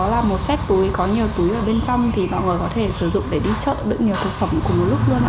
đó là một xét túi có nhiều túi ở bên trong thì mọi người có thể sử dụng để đi chợ đựng nhiều thực phẩm cùng một lúc luôn